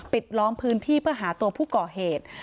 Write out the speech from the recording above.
ล้อมพื้นที่เพื่อหาตัวผู้ก่อเหตุ